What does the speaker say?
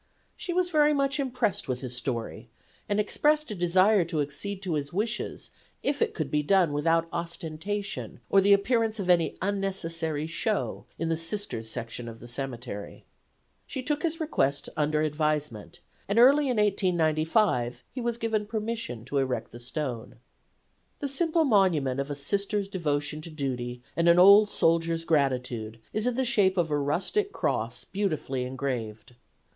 She was very much impressed with his story, and expressed a desire to accede to his wishes if it could be done without ostentation or the appearance of any unnecessary show in the Sisters' section of the cemetery. She took his request under advisement, and early in 1895 he was given permission to erect the stone. The simple monument of a Sister's devotion to duty and an old soldier's gratitude is in the shape of a rustic cross beautifully engraved.